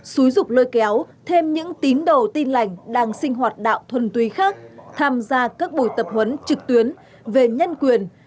xúi dục lôi kéo thêm những tín đồ tin lành đang sinh hoạt đạo thuần túy khác tham gia các buổi tập huấn trực tuyến về nhân quyền